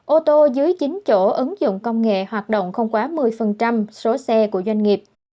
ô tô dưới chín chỗ ứng dụng công nghệ hoạt động không quá một mươi số xe của doanh nghiệp